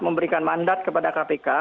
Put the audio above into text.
memberikan mandat kepada kpk